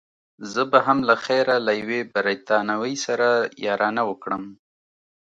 زه به هم له خیره له یوې بریتانوۍ سره یارانه وکړم.